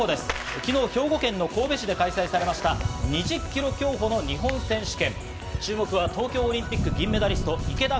昨日、兵庫県の神戸市で開催されました、２０キロ競歩の日本選手権。